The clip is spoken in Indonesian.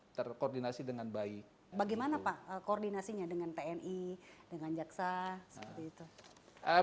bagaimana pak koordinasinya dengan tni dengan jaksa